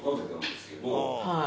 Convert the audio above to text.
はい。